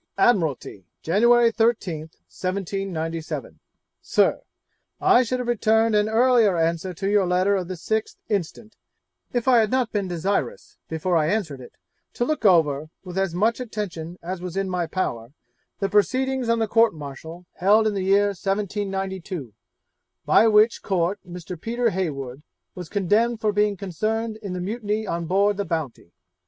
Admiralty, Jan. 13th, 1797. 'Sir, I should have returned an earlier answer to your letter of the 6th instant, if I had not been desirous, before I answered it, to look over, with as much attention as was in my power, the proceedings on the Court Martial held in the year 1792, by which Court Mr. Peter Heywood was condemned for being concerned in the mutiny on board the Bounty.